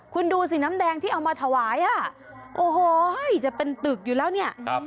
คุณดูสิน้ำแดงที่เอามาถวายอ่ะโอ้โหจะเป็นตึกอยู่แล้วเนี่ย